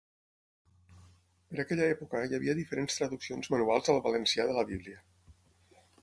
Per aquella època hi havia diferents traduccions manuals al valencià de la Bíblia.